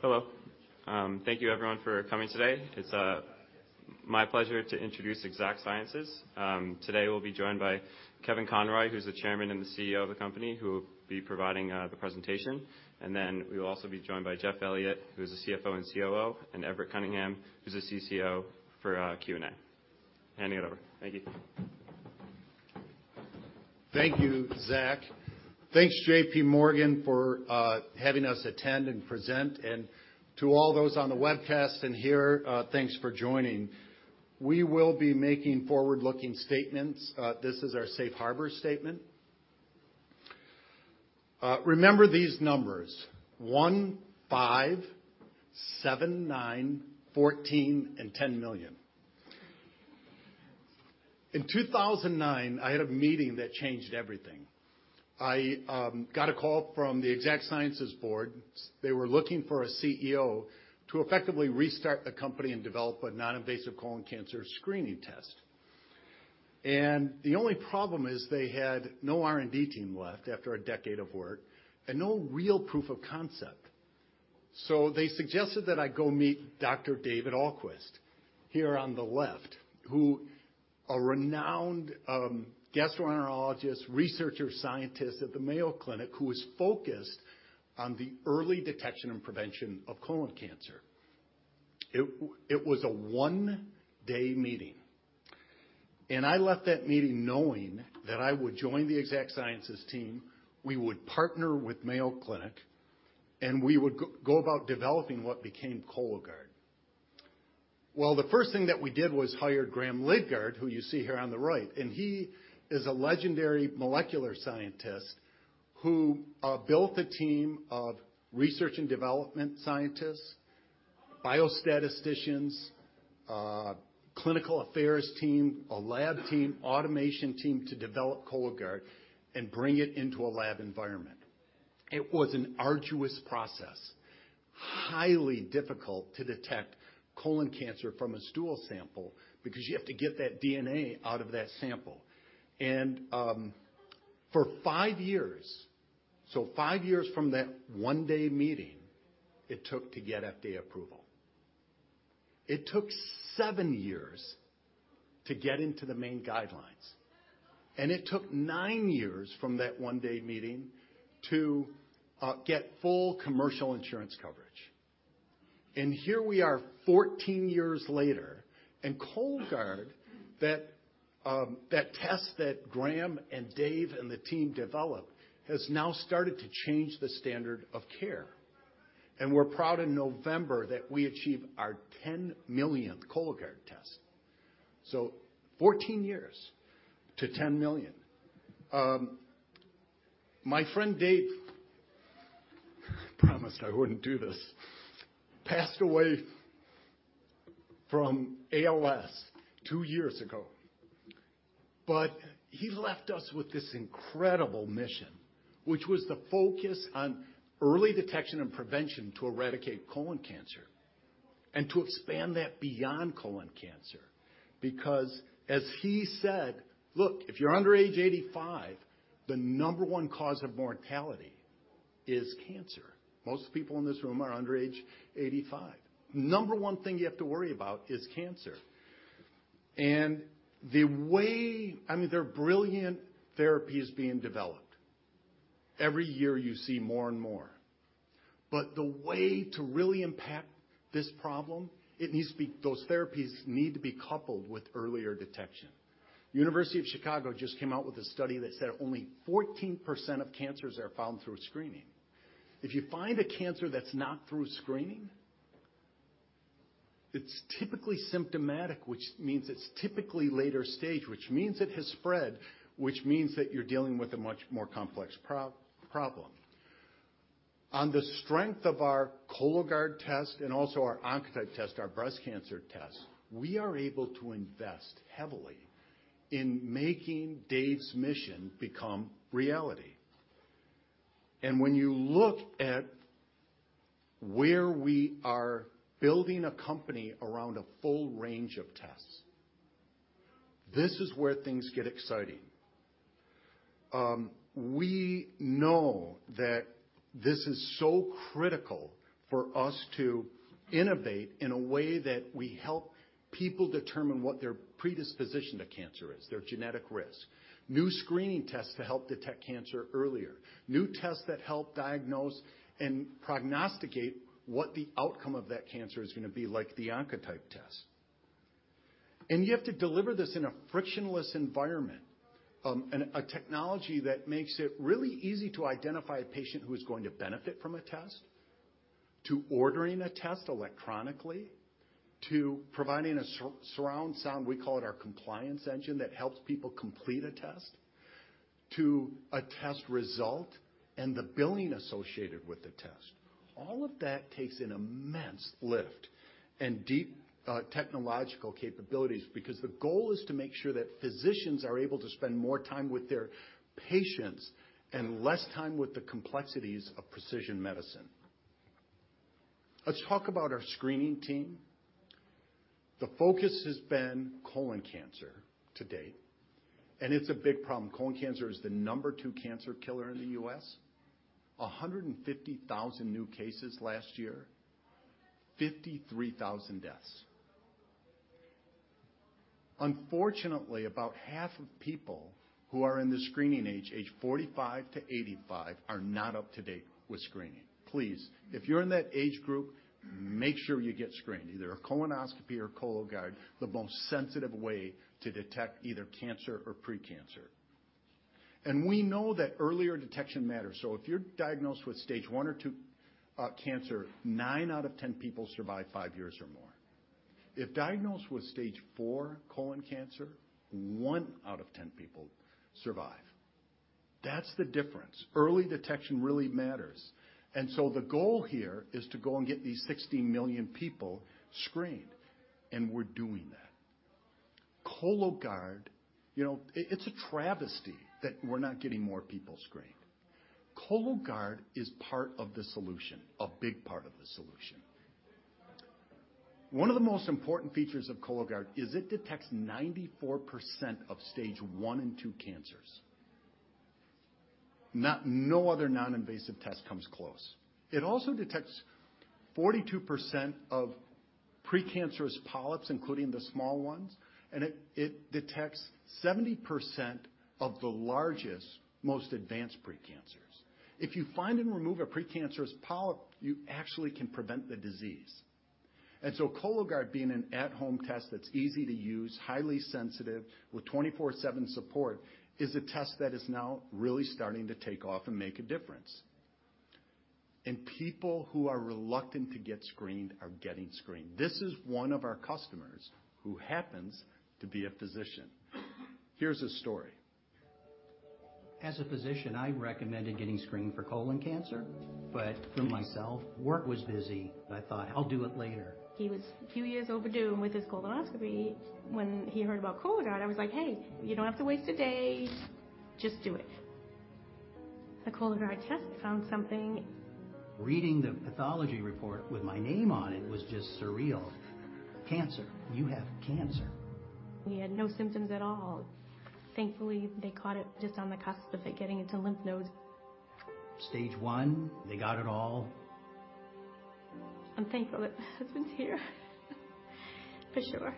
Hello. Thank you everyone for coming today. It's my pleasure to introduce Exact Sciences. Today we'll be joined by Kevin Conroy, who's the Chairman and CEO of the company, who will be providing the presentation. Then we will also be joined by Jeff Elliott, who is the CFO and COO, and Everett Cunningham, who's the Chief Commercial Officer for Q&A. Handing it over. Thank you. Thank you, Zach. Thanks, JPMorgan, for having us attend and present, to all those on the webcast and here, thanks for joining. We will be making forward-looking statements. This is our safe harbor statement. Remember these numbers one, five, seven, nine, 14, and $10 million. In 2009, I had a meeting that changed everything. I got a call from the Exact Sciences board. They were looking for a CEO to effectively restart the company and develop a non-invasive colon cancer screening test. The only problem is they had no R&D team left after a decade of work and no real proof of concept. They suggested that I go meet Dr. David Ahlquist, here on the left, who, a renowned gastroenterologist, researcher, scientist at the Mayo Clinic, who is focused on the early detection and prevention of colon cancer. I left that meeting knowing that I would join the Exact Sciences team, we would partner with Mayo Clinic, and we would go about developing what became Cologuard. The first thing that we did was hire Graham Lidgard, who you see here on the right, and he is a legendary molecular scientist who built the team of research and development scientists, biostatisticians, clinical affairs team, a lab team, automation team to develop Cologuard and bring it into a lab environment. It was an arduous process. Highly difficult to detect colon cancer from a stool sample because you have to get that DNA out of that sample. For five years, so five years from that one-day meeting it took to get FDA approval, it took seven years to get into the main guidelines, it took nine years from that one-day meeting to get full commercial insurance coverage. Here we are 14 years later, and Cologuard, that test that Graham and Dave and the team developed, has now started to change the standard of care. We're proud in November that we achieved our 10 millionth Cologuard test. 14 years to $10 million. My friend Dave, I promised I wouldn't do this, passed away from ALS two years ago. He left us with this incredible mission, which was the focus on early detection and prevention to eradicate colon cancer and to expand that beyond colon cancer. As he said, "Look, if you're under age 85, the number one cause of mortality is cancer." Most people in this room are under age 85. Number one thing you have to worry about is cancer. The way, I mean, there are brilliant therapies being developed. Every year you see more and more. The way to really impact this problem, those therapies need to be coupled with earlier detection. The University of Chicago just came out with a study that said only 14% of cancers are found through screening. If you find a cancer that's not through screening, it's typically symptomatic, which means it's typically later stage, which means it has spread, which means that you're dealing with a much more complex problem. On the strength of our Cologuard test and also our Oncotype test, our breast cancer test, we are able to invest heavily in making Dave's mission become reality. When you look at where we are building a company around a full range of tests, this is where things get exciting. We know that this is so critical for us to innovate in a way that we help people determine what their predisposition to cancer is, their genetic risk. New screening tests to help detect cancer earlier. New tests that help diagnose and prognosticate what the outcome of that cancer is gonna be, like the Oncotype test. You have to deliver this in a frictionless environment, and a technology that makes it really easy to identify a patient who is going to benefit from a test to ordering a test electronically, to providing a surround sound, we call it our compliance engine, that helps people complete a test, to a test result and the billing associated with the test. All of that takes an immense lift and deep technological capabilities because the goal is to make sure that physicians are able to spend more time with their patients and less time with the complexities of precision medicine. Let's talk about our Screening team. the focus has been colon cancer to date, and it's a big problem. Colon cancer is the number two cancer killer in the U.S. 150,000 new cases last year. 53,000 deaths. Unfortunately, about half of people who are in the screening age 45 to 85, are not up to date with screening. Please, if you're in that age group, make sure you get screened, either a colonoscopy or Cologuard, the most sensitive way to detect either cancer or pre-cancer. We know that earlier detection matters. If you're diagnosed with Stage I or II cancer, nine out of 10 people survive five years or more. If diagnosed with Stage IV colon cancer, one out of 10 people survive. That's the difference. Early detection really matters. The goal here is to go and get these 60 million people screened, and we're doing that. Cologuard, you know, it's a travesty that we're not getting more people screened. Cologuard is part of the solution, a big part of the solution. One of the most important features of Cologuard is it detects 94% of Stage I and II cancers. No other non-invasive test comes close. It also detects 42% of precancerous polyps, including the small ones, and it detects 70% of the largest, most advanced precancers. If you find and remove a precancerous polyp, you actually can prevent the disease. Cologuard being an at-home test that's easy to use, highly sensitive with 24/7 support, is a test that is now really starting to take off and make a difference. People who are reluctant to get screened are getting screened. This is one of our customers who happens to be a physician. Here's his story. As a physician, I recommended getting screened for colon cancer, but for myself, work was busy. I thought, "I'll do it later. He was a few years overdue with his colonoscopy. When he heard about Cologuard, I was like, "Hey, you don't have to waste a day. Just do it." The Cologuard test found something. Reading the pathology report with my name on it was just surreal. "Cancer. You have cancer. He had no symptoms at all. Thankfully, they caught it just on the cusp of it getting into lymph nodes. Stage one, they got it all. I'm thankful that my husband's here for sure.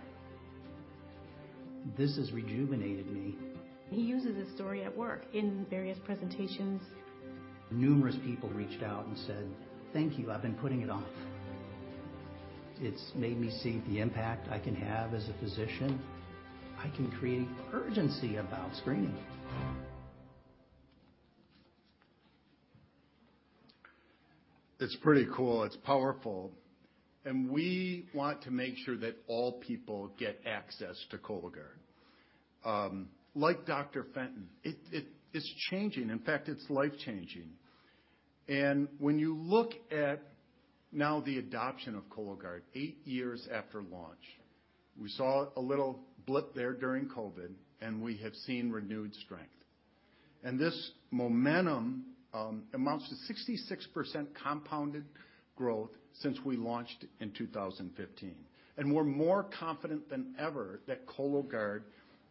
This has rejuvenated me. He uses this story at work in various presentations. Numerous people reached out and said, "Thank you, I've been putting it off." It's made me see the impact I can have as a physician. I can create urgency about screening. It's pretty cool. It's powerful. We want to make sure that all people get access to Cologuard. Like Dr. Fenton, it's changing. In fact, it's life-changing. When you look at now the adoption of Cologuard eight years after launch, we saw a little blip there during COVID, we have seen renewed strength. This momentum amounts to 66% compounded growth since we launched in 2015. We're more confident than ever that Cologuard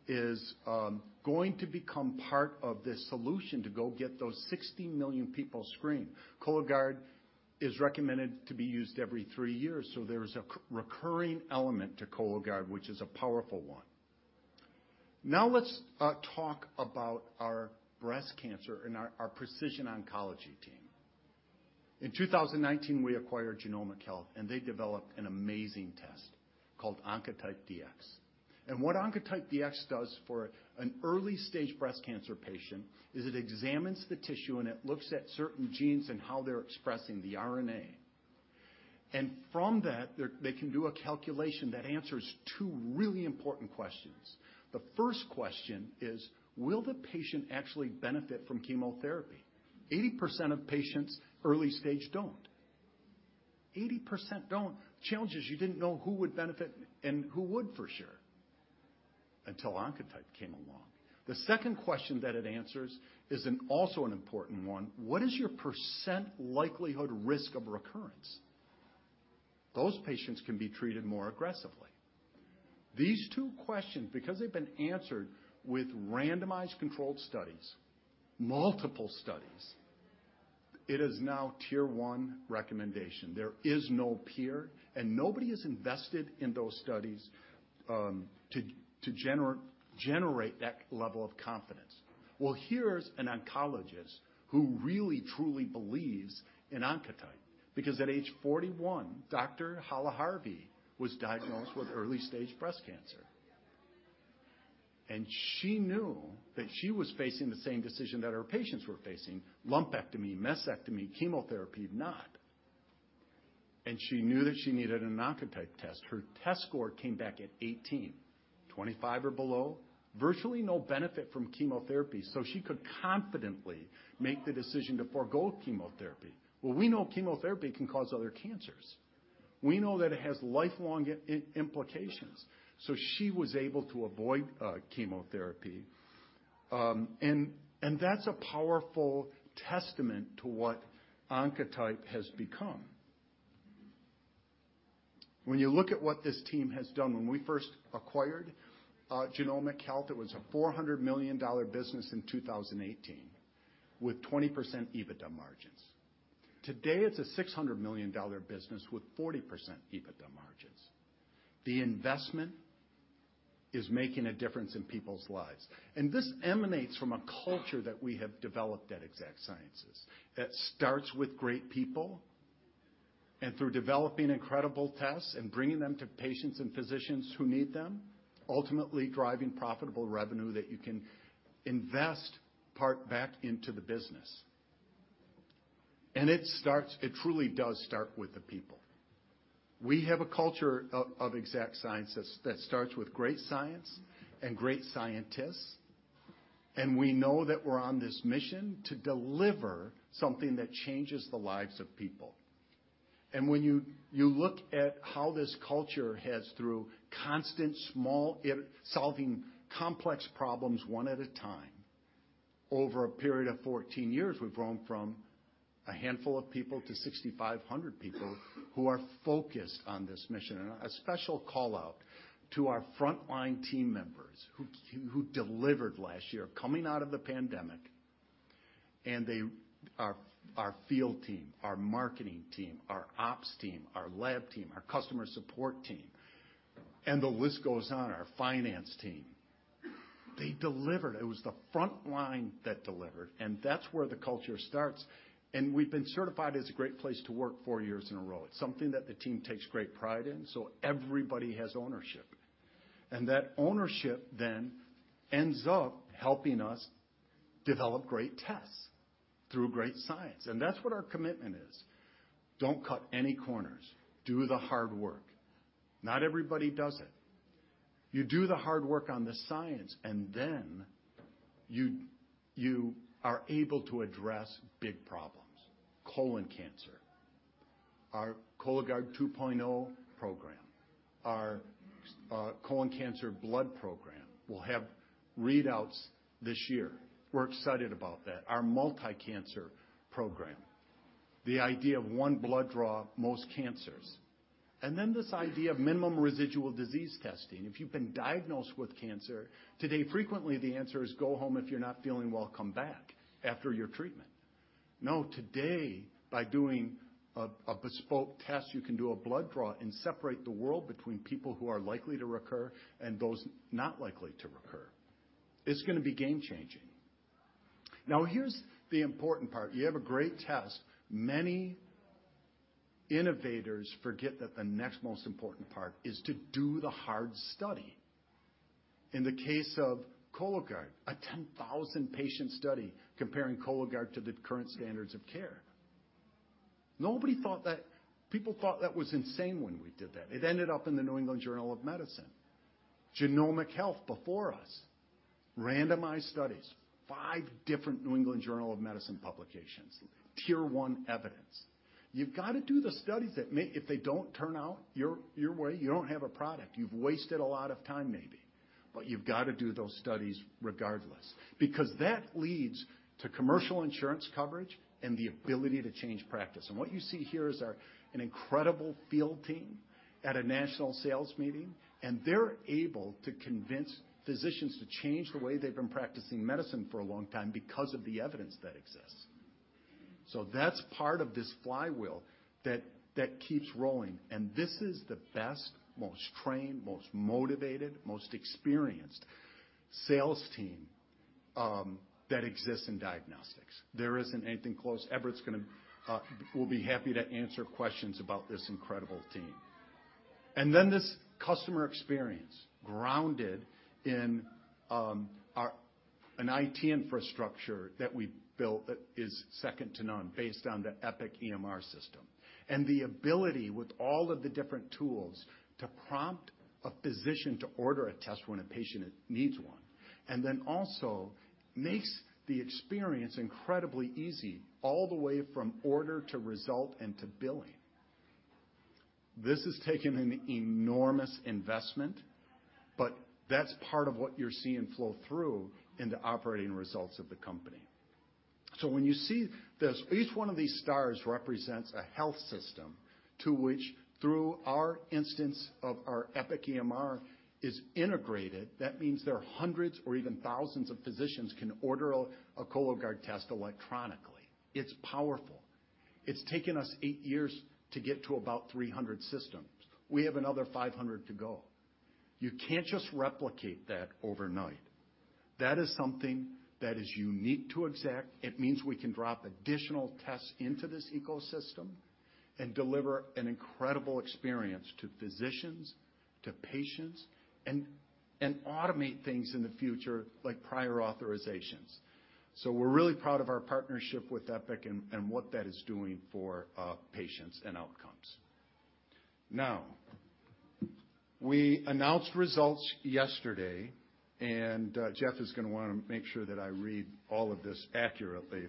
is going to become part of the solution to go get those 60 million people screened. Cologuard is recommended to be used every three years, so there is a recurring element to Cologuard, which is a powerful one. Now let's talk about our breast cancer and our Precision Oncology team. In 2019, we acquired Genomic Health. They developed an amazing test called Oncotype DX. What Oncotype DX does for an early-stage breast cancer patient is it examines the tissue and it looks at certain genes and how they're expressing the RNA. From that, they can do a calculation that answers two really important questions. The first question is, will the patient actually benefit from chemotherapy? 80% of patients early stage don't. 80% don't. Challenge is you didn't know who would benefit and who would for sure, until Oncotype came along. The second question that it answers is an also an important one. What is your % likelihood risk of recurrence? Those patients can be treated more aggressively. These two questions, because they've been answered with randomized controlled studies, multiple studies, it is now tier one recommendation. There is no peer, nobody has invested in those studies to generate that level of confidence. Well, here's an oncologist who really truly believes in Oncotype, because at age 41, Dr. Halaharvi was diagnosed with early-stage breast cancer. She knew that she was facing the same decision that her patients were facing, lumpectomy, mastectomy, chemotherapy or not. She knew that she needed an Oncotype test. Her test score came back at 18. 25 or below, virtually no benefit from chemotherapy, she could confidently make the decision to forgo chemotherapy. Well, we know chemotherapy can cause other cancers. We know that it has lifelong implications. She was able to avoid chemotherapy. That's a powerful testament to what Oncotype has become. When you look at what this team has done, when we first acquired Genomic Health, it was a $400 million business in 2018 with 20% EBITDA margins. Today, it's a $600 million business with 40% EBITDA margins. The investment is making a difference in people's lives, this emanates from a culture that we have developed at Exact Sciences that starts with great people and through developing incredible tests and bringing them to patients and physicians who need them, ultimately driving profitable revenue that you can invest part back into the business. It truly does start with the people. We have a culture of Exact Sciences that starts with great science and great scientists, and we know that we're on this mission to deliver something that changes the lives of people. When you look at how this culture has, through constant small solving complex problems one at a time over a period of 14 years, we've grown from a handful of people to 6,500 people who are focused on this mission. A special call-out to our frontline team members who delivered last year coming out of the pandemic. Our field team, our marketing team, our ops team, our lab team, our customer support team, and the list goes on, our finance team, they delivered. It was the front line that delivered, and that's where the culture starts. We've been certified as a great place to work four years in a row. It's something that the team takes great pride in, so everybody has ownership. That ownership then ends up helping us develop great tests through great science. That's what our commitment is. Don't cut any corners. Do the hard work. Not everybody does it. You do the hard work on the science, and then you are able to address big problems. Colon cancer. Our Cologuard 2.0 program. Our colon cancer blood program will have readouts this year. We're excited about that. Our multi-cancer program, the idea of one blood draw, most cancers. This idea of minimum residual disease testing. If you've been diagnosed with cancer, today frequently the answer is, "Go home. If you're not feeling well, come back after your treatment." Now, today, by doing a bespoke test, you can do a blood draw and separate the world between people who are likely to recur and those not likely to recur. It's gonna be game changing. Here's the important part. You have a great test. Many innovators forget that the next most important part is to do the hard study. In the case of Cologuard, a 10,000-patient study comparing Cologuard to the current standards of care. People thought that was insane when we did that. It ended up in The New England Journal of Medicine. Genomic Health before us, randomized studies, five different The New England Journal of Medicine publications, Tier 1 evidence. You've got to do the studies that may... If they don't turn out your way, you don't have a product. You've wasted a lot of time maybe, but you've got to do those studies regardless because that leads to commercial insurance coverage and the ability to change practice. What you see here is our incredible field team at a national sales meeting, and they're able to convince physicians to change the way they've been practicing medicine for a long time because of the evidence that exists. That's part of this flywheel that keeps rolling. This is the best, most trained, most motivated, most experienced sales team that exists in diagnostics. There isn't anything close. Everett's gonna will be happy to answer questions about this incredible team. Then this customer experience grounded in our IT infrastructure that we built that is second to none based on the Epic EMR system. The ability with all of the different tools to prompt a physician to order a test when a patient needs one, and then also makes the experience incredibly easy all the way from order to result and to billing. This has taken an enormous investment, but that's part of what you're seeing flow through in the operating results of the company. When you see this, each one of these stars represents a health system to which, through our instance of our Epic EMR, is integrated. That means there are hundreds or even thousands of physicians can order a Cologuard test electronically. It's powerful. It's taken us eight years to get to about 300 systems. We have another 500 to go. You can't just replicate that overnight. That is something that is unique to Exact. It means we can drop additional tests into this ecosystem and deliver an incredible experience to physicians, to patients, and automate things in the future, like prior authorizations. We're really proud of our partnership with Epic and what that is doing for patients and outcomes. Now, we announced results yesterday, and Jeff is gonna wanna make sure that I read all of this accurately.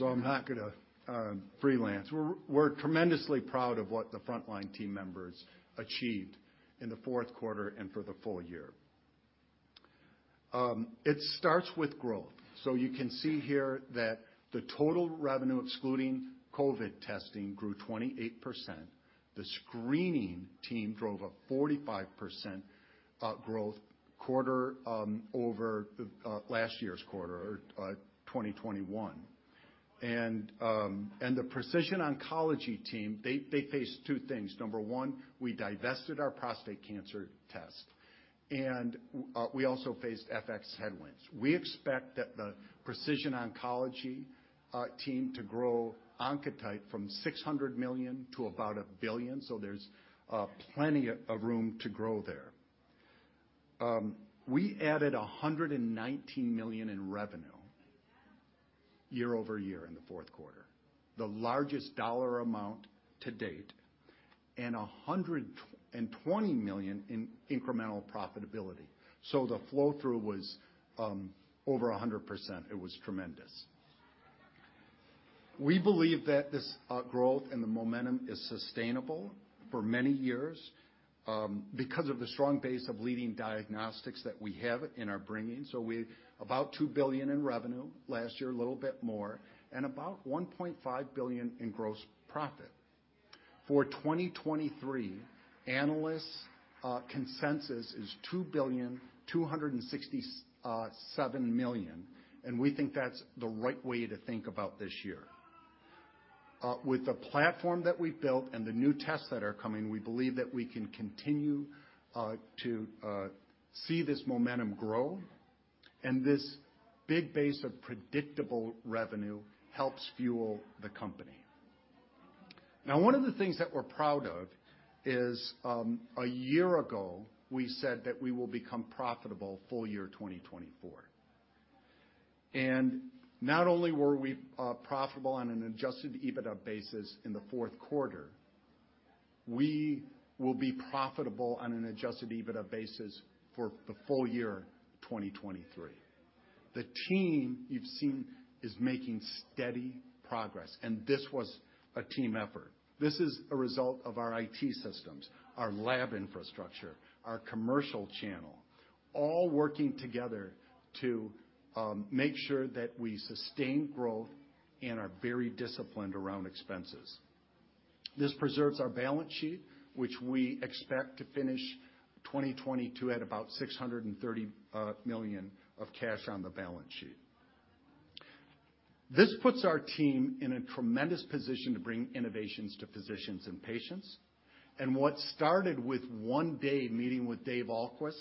I'm not gonna freelance. We're tremendously proud of what the frontline team members achieved in the fourth quarter and for the full year. It starts with growth. You can see here that the total revenue, excluding COVID testing, grew 28%. The Screening team drove a 45% growth quarter over the last year's quarter or 2021. The Precision Oncology team, they faced two things. Number one, we divested our prostate cancer test. We also faced FX headwinds. We expect that the Precision Oncology team to grow Oncotype from $600 million to about $1 billion. There's plenty of room to grow there. We added $119 million in revenue year-over-year in the fourth quarter, the largest dollar amount to date, and $120 million in incremental profitability. The flow-through was over 100%. It was tremendous. We believe that this growth and the momentum is sustainable for many years because of the strong base of leading diagnostics that we have in our bringing. We about $2 billion in revenue last year, a little bit more, and about $1.5 billion in gross profit. For 2023, analysts consensus is $2,267,000,000, and we think that's the right way to think about this year. With the platform that we built and the new tests that are coming, we believe that we can continue to see this momentum grow and this big base of predictable revenue helps fuel the company. Now, one of the things that we're proud of is a year ago, we said that we will become profitable full year 2024. Not only were we profitable on an adjusted EBITDA basis in the fourth quarter, we will be profitable on an adjusted EBITDA basis for the full year 2023. The team you've seen is making steady progress, and this was a team effort. This is a result of our IT systems, our lab infrastructure, our commercial channel, all working together to make sure that we sustain growth and are very disciplined around expenses. This preserves our balance sheet, which we expect to finish 2022 at about $630 million of cash on the balance sheet. This puts our team in a tremendous position to bring innovations to physicians and patients. What started with one day meeting with Dave Ahlquist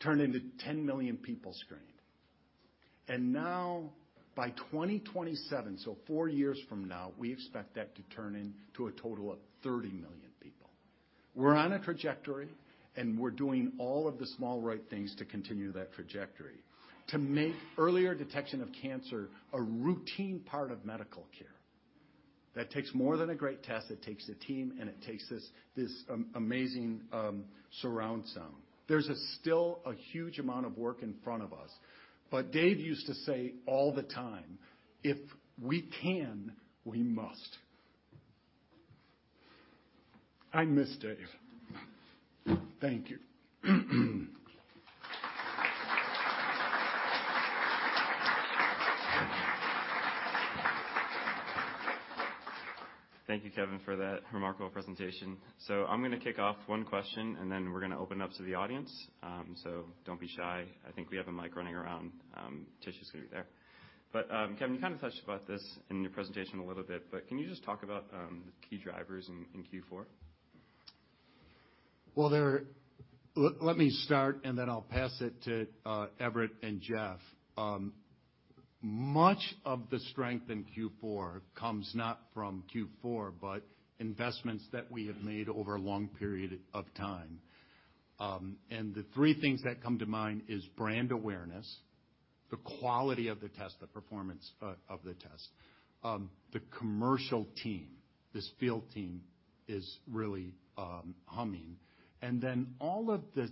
turned into 10 million people screened. Now by 2027, so four years from now, we expect that to turn into a total of 30 million people. We're on a trajectory, and we're doing all of the small right things to continue that trajectory, to make earlier detection of cancer a routine part of medical care. That takes more than a great test. It takes a team, it takes this amazing surround sound. There's still a huge amount of work in front of us. Dave used to say all the time, "If we can, we must." I miss Dave. Thank you. Thank you, Kevin, for that remarkable presentation. I'm gonna kick off one question, and then we're gonna open up to the audience. Don't be shy. I think we have a mic running around. Tish is gonna be there. Kevin, you kinda touched about this in your presentation a little bit, but can you just talk about the key drivers in Q4? Well, there, let me start, then I'll pass it to Everett and Jeff. Much of the strength in Q4 comes not from Q4, but investments that we have made over a long period of time. The three things that come to mind is brand awareness, the quality of the test, the performance of the test, the commercial team, this field team is really humming. Then all of the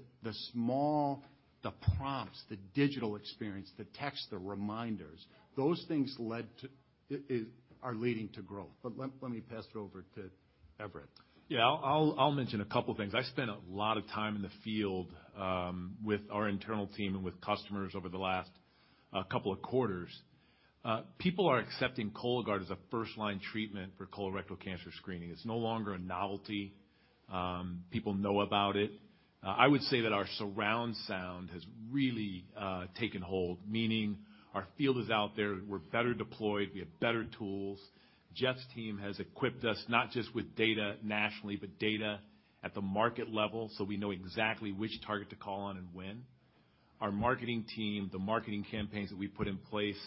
small, the prompts, the digital experience, the text, the reminders, those things led to, are leading to growth. Let me pass it over to Everett. I'll mention a couple of things. I spent a lot of time in the field with our internal team and with customers over the last couple of quarters. People are accepting Cologuard as a first-line treatment for colorectal cancer screening. It's no longer a novelty. People know about it. I would say that our surround sound has really taken hold, meaning our field is out there. We're better deployed. We have better tools. Jeff's team has equipped us not just with data nationally, but data at the market level, so we know exactly which target to call on and when. Our marketing team, the marketing campaigns that we put in place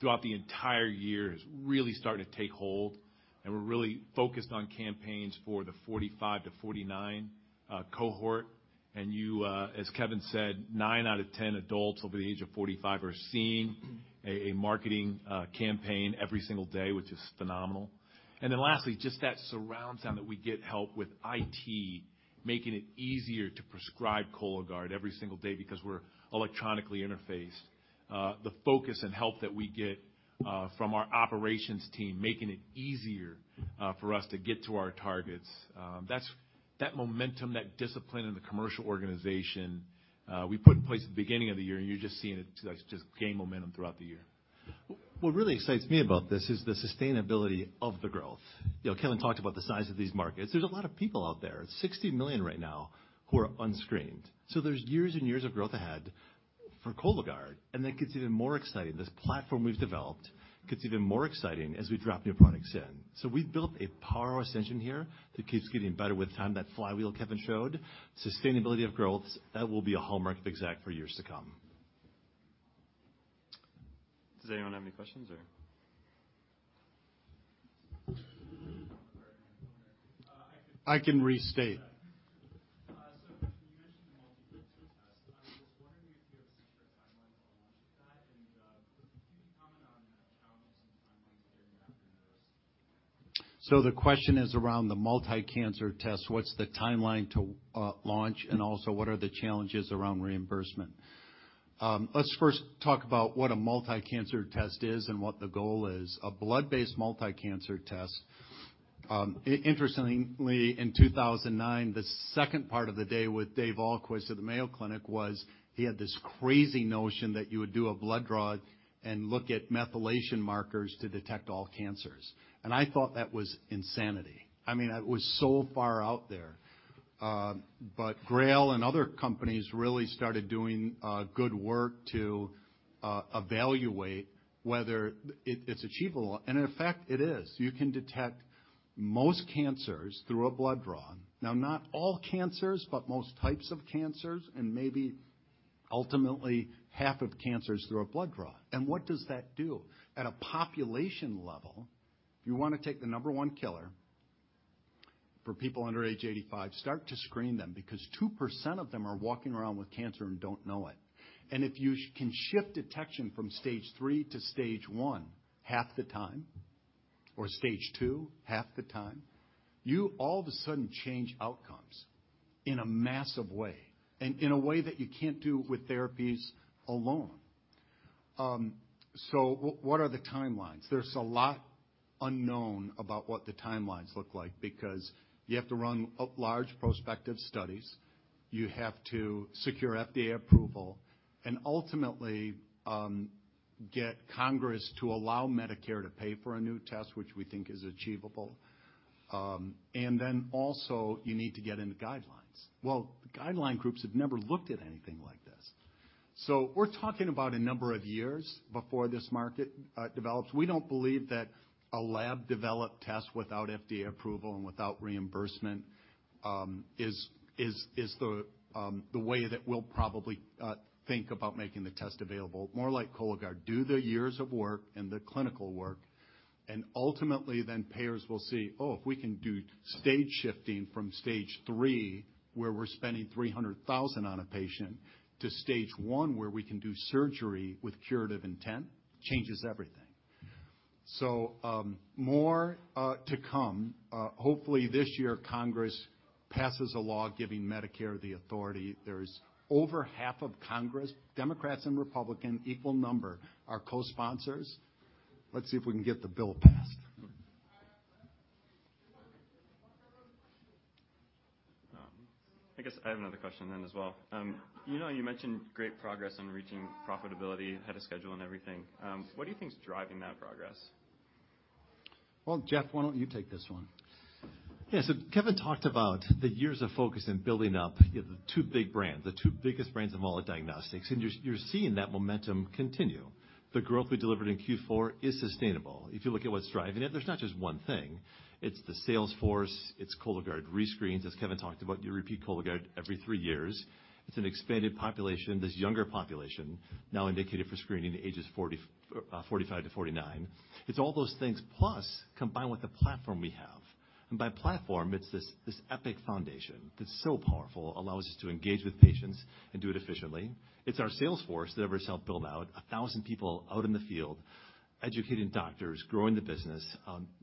throughout the entire year is really starting to take hold, we're really focused on campaigns for the 45 to 49 cohort. You, as Kevin said, nine out of 10 adults over the age of 45 are seeing a marketing campaign every single day, which is phenomenal. Lastly, just that surround sound that we get help with IT, making it easier to prescribe Cologuard every single day because we're electronically interfaced. The focus and help that we get, from our operations team, making it easier, for us to get to our targets, that momentum, that discipline in the commercial organization, we put in place at the beginning of the year, and you're just seeing it just gain momentum throughout the year. What really excites me about this is the sustainability of the growth. You know, Kevin talked about the size of these markets. There's a lot of people out there, 60 million right now who are unscreened. There's years and years of growth ahead for Cologuard, and that gets even more exciting. This platform we've developed gets even more exciting as we drop new products in. We've built a power of accessioning here that keeps getting better with time. That flywheel Kevin showed, sustainability of growth, that will be a hallmark of Exact for years to come. Does anyone have any questions or? I can restate. You mentioned the Cologuard test. I was wondering if you have secure timelines on launch with that and, could you comment on the challenges and timelines getting that into. The question is around the multi-cancer test. What's the timeline to launch, and also what are the challenges around reimbursement? Let's first talk about what a multi-cancer test is and what the goal is. A blood-based multi-cancer test, interestingly, in 2009, the second part of the day with Dave Ahlquist of the Mayo Clinic was he had this crazy notion that you would do a blood draw and look at methylation markers to detect all cancers. I thought that was insanity. I mean, that was so far out there. Grail and other companies really started doing good work to evaluate whether it's achievable. In fact, it is. You can detect most cancers through a blood draw. Now, not all cancers, but most types of cancers and maybe ultimately half of cancers through a blood draw. What does that do? At a population level, if you wanna take the number one killer for people under age 85, start to screen them because 2% of them are walking around with cancer and don't know it. If you can shift detection from Stage III to Stage I half the time, or Stage II half the time, you all of a sudden change outcomes in a massive way and in a way that you can't do with therapies alone. What are the timelines? There's a lot unknown about what the timelines look like because you have to run large prospective studies, you have to secure FDA approval, and ultimately, get Congress to allow Medicare to pay for a new test, which we think is achievable. Then also you need to get into guidelines. The guideline groups have never looked at anything like this. We're talking about a number of years before this market develops. We don't believe that a lab-developed test without FDA approval and without reimbursement is the way that we'll probably think about making the test available. More like Cologuard, do the years of work and the clinical work, and ultimately then payers will see, oh, if we can do stage shifting from Stage III, where we're spending $300,000 on a patient, to Stage I, where we can do surgery with curative intent, changes everything. More to come. Hopefully this year, Congress passes a law giving Medicare the authority. There's over half of Congress, Democrats and Republican, equal number, are co-sponsors. Let's see if we can get the bill passed. I guess I have another question then as well. You know, you mentioned great progress on reaching profitability, ahead of schedule and everything. What do you think is driving that progress? Well, Jeff, why don't you take this one? Kevin talked about the years of focus in building up the two big brands, the two biggest brands of all of diagnostics, you're seeing that momentum continue. The growth we delivered in Q4 is sustainable. If you look at what's driving it, there's not just one thing. It's the sales force, it's Cologuard rescreens, as Kevin talked about. You repeat Cologuard every three years. It's an expanded population. This younger population now indicated for screening ages 40, 45 to 49. It's all those things, plus combined with the platform we have. By platform, it's this Epic foundation that's so powerful, allows us to engage with patients and do it efficiently. It's our sales force that every self build out, 1,000 people out in the field educating doctors, growing the business.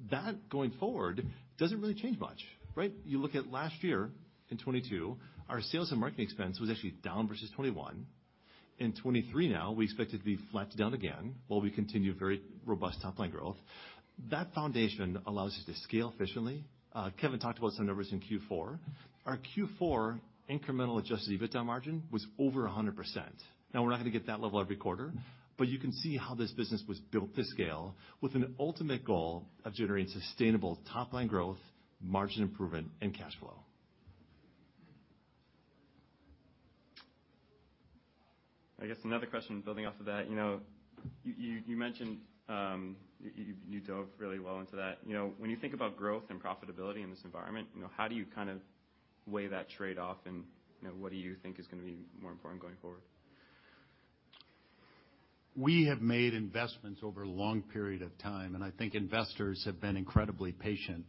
That going forward doesn't really change much, right? You look at last year in 2022, our sales and marketing expense was actually down versus 2021. In 2023, we expect it to be flat to down again while we continue very robust top-line growth. That foundation allows us to scale efficiently. Kevin talked about some numbers in Q4. Our Q4 incremental adjusted EBITDA margin was over 100%. Now, we're not gonna get that level every quarter, but you can see how this business was built to scale with an ultimate goal of generating sustainable top-line growth, margin improvement and cash flow. I guess another question building off of that. You know, you mentioned, you dove really well into that. You know, when you think about growth and profitability in this environment, you know, how do you kind of weigh that trade-off and, you know, what do you think is gonna be more important going forward? We have made investments over a long period of time, and I think investors have been incredibly patient,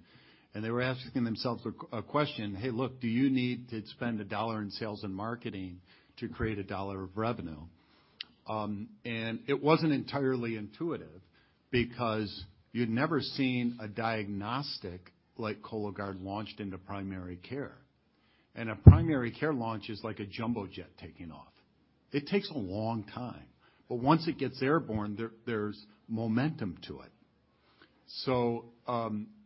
and they were asking themselves a question, "Hey, look, do you need to spend $1 in sales and marketing to create $1 of revenue?" It wasn't entirely intuitive because you'd never seen a diagnostic like Cologuard launched into primary care. A primary care launch is like a jumbo jet taking off. It takes a long time, but once it gets airborne, there's momentum to it.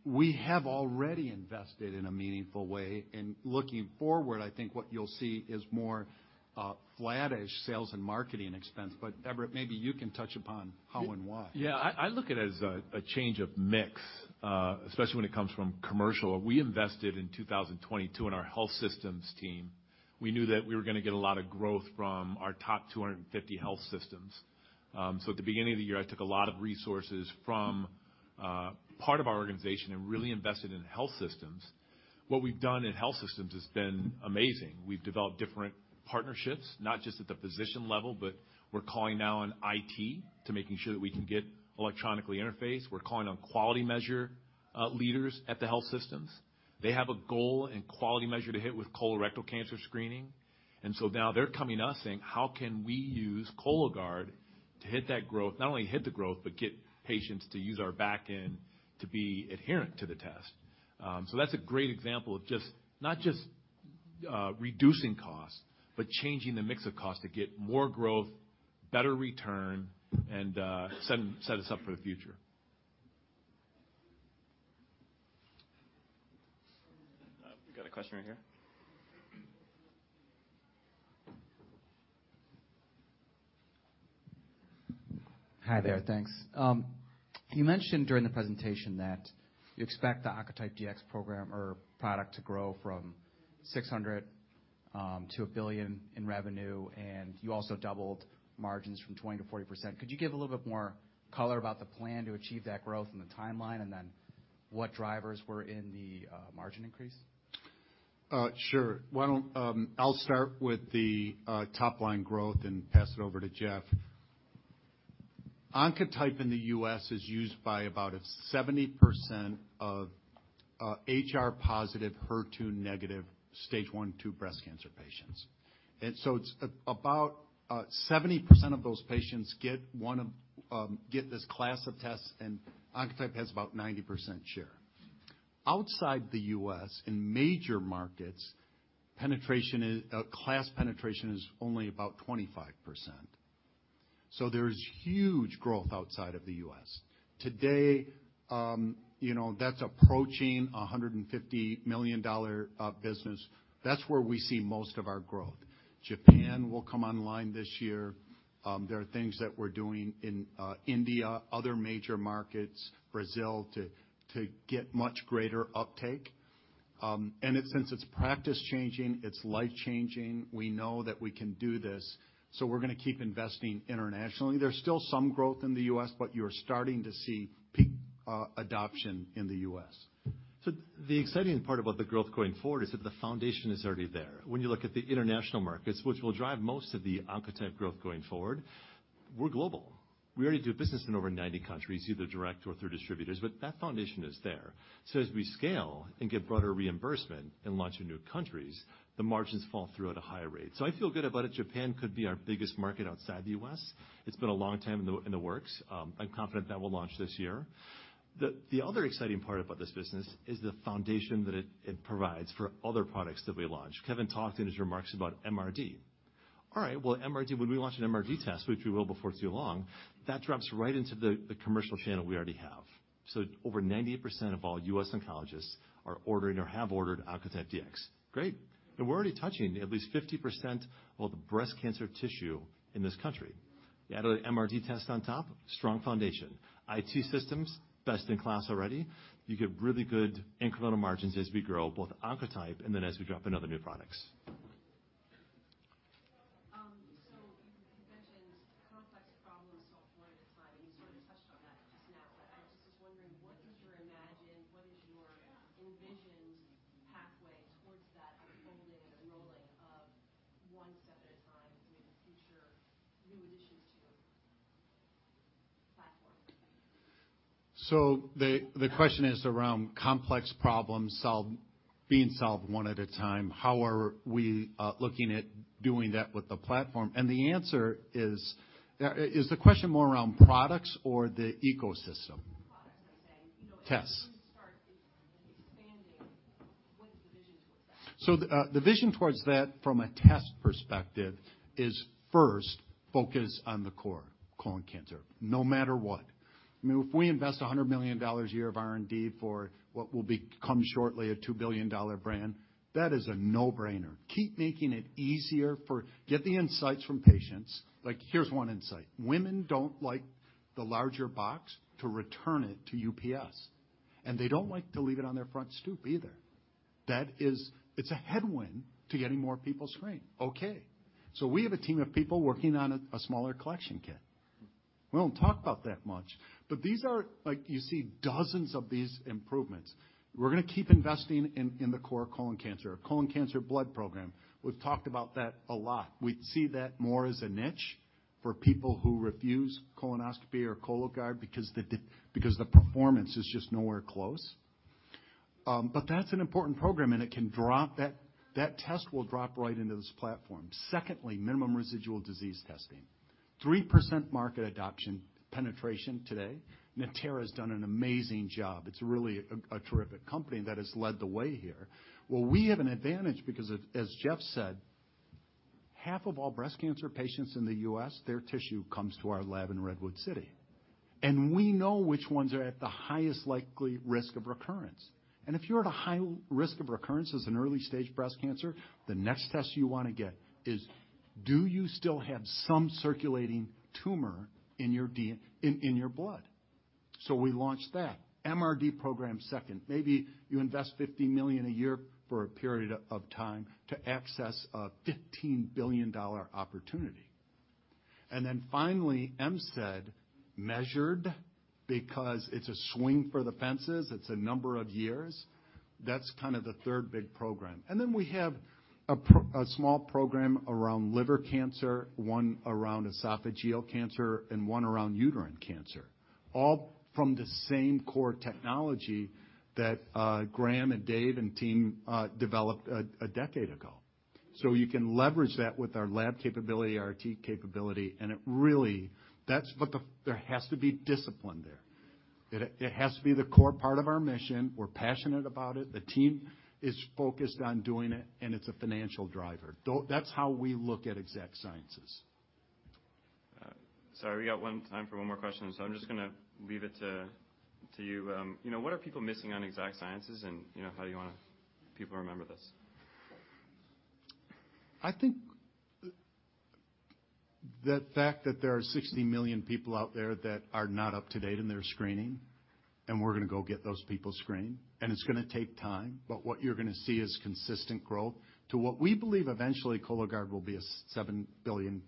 We have already invested in a meaningful way, and looking forward, I think what you'll see is more flattish sales and marketing expense. Everett, maybe you can touch upon how and why. Yeah. I look at it as a change of mix, especially when it comes from commercial. We invested in 2022 in our health systems team. We knew that we were gonna get a lot of growth from our top 250 health systems. At the beginning of the year, I took a lot of resources from part of our organization and really invested in health systems. What we've done in health systems has been amazing. We've developed different partnerships, not just at the physician level, but we're calling now on IT to making sure that we can get electronically interfaced. We're calling on quality measure leaders at the health systems. They have a goal and quality measure to hit with colorectal cancer screening. Now they're coming to us saying, "How can we use Cologuard to hit that growth? Not only hit the growth, but get patients to use our back end to be adherent to the test?" So that's a great example of just not just, reducing costs, but changing the mix of costs to get more growth, better return, and, set us up for the future. We've got a question right here. Hi there. Thanks. You mentioned during the presentation that you expect the Oncotype DX program or product to grow from $600 million-$1 billion in revenue. You also doubled margins from 20%-40%. Could you give a little bit more color about the plan to achieve that growth and the timeline, what drivers were in the margin increase? Sure. Why don't, I'll start with the top-line growth and pass it over to Jeff. Oncotype in the U.S. is used by about 70% of HR-positive, HER2-negative Stage I, II breast cancer patients. It's about 70% of those patients get one of get this class of tests, and Oncotype has about 90% share. Outside the U.S., in major markets, penetration is class penetration is only about 25%. There's huge growth outside of the U.S. Today, you know, that's approaching a $150 million business. That's where we see most of our growth. Japan will come online this year. There are things that we're doing in India, other major markets, Brazil, to get much greater uptake. Since it's practice-changing, it's life-changing, we know that we can do this. We're gonna keep investing internationally. There's still some growth in the U.S., but you're starting to see peak adoption in the U.S. The exciting part about the growth going forward is that the foundation is already there. When you look at the international markets, which will drive most of the Oncotype growth going forward, we're global. We already do business in over 90 countries, either direct or through distributors, but that foundation is there. As we scale and get broader reimbursement and launch in new countries, the margins fall through at a higher rate. I feel good about it. Japan could be our biggest market outside the U.S. It's been a long time in the works. I'm confident that will launch this year. The other exciting part about this business is the foundation that it provides for other products that we launch. Kevin talked in his remarks about MRD. All right, well, MRD, when we launch an MRD test, which we will before it's too long, that drops right into the commercial channel we already have. Over 98% of all U.S. oncologists are ordering or have ordered Oncotype DX. Great. We're already touching at least 50% of the breast cancer tissue in this country. Add an MRD test on top, strong foundation. IT systems, best in class already. You get really good incremental margins as we grow both Oncotype and then as we drop in other new products. You mentioned complex problems solved one at a time, and you sort of touched on that just now. I was just wondering, what is your imagined, what is your envisioned pathway towards that unfolding and rolling out one step at a time with future new additions to platform? The question is around complex problems being solved one at a time. How are we looking at doing that with the platform? The answer is. Is the question more around products or the ecosystem? Products. I'm saying, you know. Tests. When you start expanding, what is the vision towards that? The vision towards that from a test perspective is first, focus on the core, colon cancer, no matter what. I mean, if we invest $100 million a year of R&D for what will become shortly a $2 billion brand, that is a no-brainer. Keep making it easier. Get the insights from patients. Like, here's one insight: Women don't like the larger box to return it to UPS, and they don't like to leave it on their front stoop either. It's a headwind to getting more people screened. Okay. We have a team of people working on a smaller collection kit. We don't talk about that much, but like, you see dozens of these improvements. We're gonna keep investing in the core colon cancer. Colon cancer blood program, we've talked about that a lot. We see that more as a niche for people who refuse colonoscopy or Cologuard because the performance is just nowhere close. But that's an important program, and that test will drop right into this platform. Secondly, minimal residual disease testing. 3% market adoption penetration today. Natera has done an amazing job. It's really a terrific company that has led the way here. Well, we have an advantage because as Jeff said, half of all breast cancer patients in the U.S., their tissue comes to our lab in Redwood City. We know which ones are at the highest likely risk of recurrence. If you're at a high risk of recurrence as an early-stage breast cancer, the next test you wanna get is, do you still have some circulating tumor in your blood? We launched that MRD program second. Maybe you invest $50 million a year for a period of time to access a $15 billion opportunity. Finally, MCED measured because it's a swing for the fences. It's a number of years. That's kind of the third big program. We have a small program around liver cancer, one around esophageal cancer, and one around uterine cancer, all from the same core technology that Graham and Dave and team developed a decade ago. You can leverage that with our lab capability, our team capability, and it really... There has to be discipline there. It has to be the core part of our mission. We're passionate about it. The team is focused on doing it, and it's a financial driver. That's how we look at Exact Sciences. We got time for one more question, so I'm just gonna leave it to you. You know, what are people missing on Exact Sciences? You know, how do you wanna... people remember this? I think the fact that there are 60 million people out there that are not up to date in their screening, we're gonna go get those people screened. It's gonna take time, but what you're gonna see is consistent growth to what we believe eventually Cologuard will be a $7 billion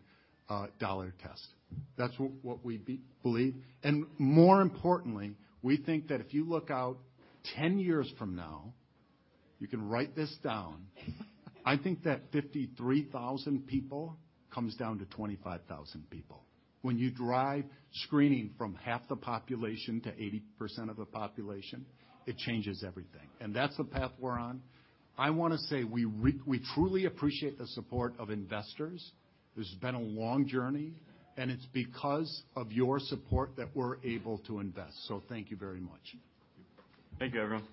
test. That's what we believe. More importantly, we think that if you look out 10 years from now, you can write this down. I think that 53,000 people comes down to 25,000 people. When you drive screening from half the population to 80% of the population, it changes everything. That's the path we're on. I wanna say we truly appreciate the support of investors. This has been a long journey, it's because of your support that we're able to invest. Thank you very much. Thank you, everyone.